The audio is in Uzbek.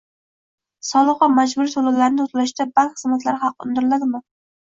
soliq va majburiy to‘lovlarni to‘lashda bank xizmatlari haqi undiriladimi?